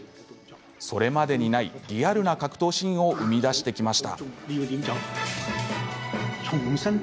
それまでにない、リアルな格闘シーンを生み出してきました。